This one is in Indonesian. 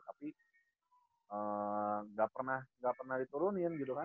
tapi nggak pernah nggak pernah diturunin gitu kan